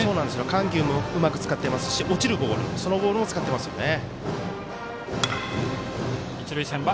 緩急もうまく使ってますし落ちるボールそのボールも使っていますよね。